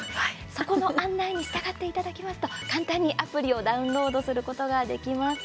そこの案内に従っていただきますと簡単にアプリをダウンロードすることができます。